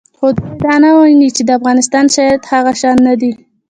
خو دوی دا نه ویني چې د افغانستان شرایط هغه شان نه دي